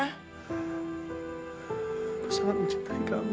aku sangat mencintai kamu